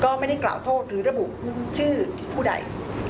ก็ไม่ได้กล่าวโทษหรือระบุชื่อผู้ใด